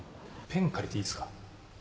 ペン借りていいですか？